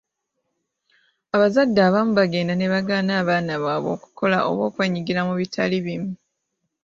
Abazadde abamu bagenda ne bagaana abaana baabwe okukola oba okwenyigira mu ebitali bimu.